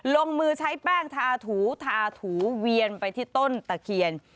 ลงมือใช้แป้งทาถูทาถูเวียนไปที่ต้นตะเคียน